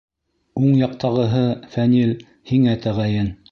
Уң яҡтағыһы, Фәнил, һиңә тәғәйен.